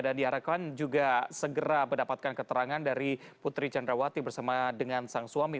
dan diharapkan juga segera mendapatkan keterangan dari putri candrawati bersama dengan sang suami